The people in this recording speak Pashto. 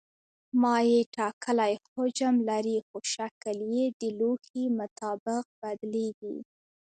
مایع ټاکلی حجم لري خو شکل یې د لوښي مطابق بدلېږي.